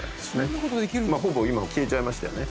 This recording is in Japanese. ほぼ今消えちゃいましたよね。